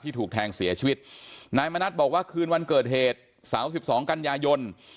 ถูกแทงเสียชีวิตนายมณัฐบอกว่าคืนวันเกิดเหตุเสาสิบสองกันยายน